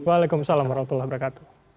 waalaikumsalam warahmatullahi wabarakatuh